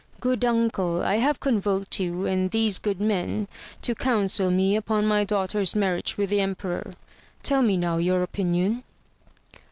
Good uncle, I have convoked you, and these good men, to counsel me upon my daughter's marriage with the emperor. Tell me now your opinion.